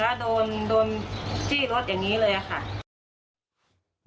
แล้วโดนโดนที่รถอย่างนี้เลยค่ะ